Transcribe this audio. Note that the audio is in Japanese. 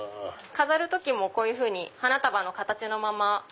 飾る時もこういうふうに花束の形のまま。